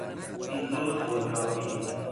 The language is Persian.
دیپلم قلابی